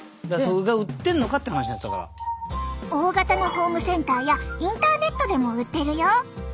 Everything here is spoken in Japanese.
大型のホームセンターやインターネットでも売ってるよ。